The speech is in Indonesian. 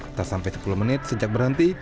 atau sampai sepuluh menit sejak berhenti